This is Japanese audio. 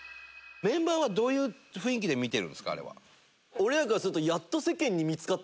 俺らからすると。